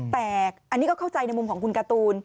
แต่อันนี้ก็เข้าใจในมุมของคุณการ์ตูน